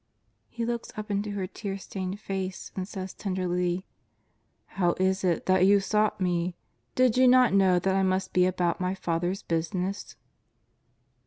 He looks up into her tear stained face and says tenderly: " How is it that you sought Me ; did you not know that I must be about My Father's business